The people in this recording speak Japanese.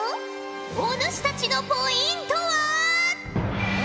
お主たちのポイントは。